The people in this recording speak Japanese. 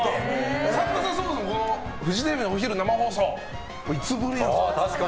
さんまさん、そもそもフジテレビお昼の生放送はいつぶりなんですか？